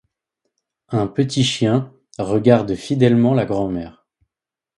Un petit chien, regarde fidèlement la grand-mère.